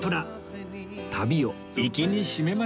旅を粋に締めましょうか！